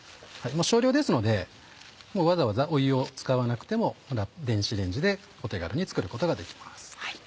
少量ですのでわざわざ湯を使わなくても電子レンジでお手軽に作ることができます。